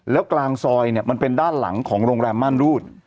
แล้วกลางซอยเนี่ยมันเป็นด้านหลังของโรงแรมม่านรูด